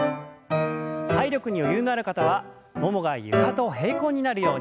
体力に余裕のある方はももが床と平行になるように。